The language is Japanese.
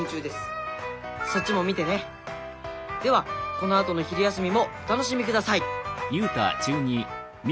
このあとの昼休みもお楽しみください。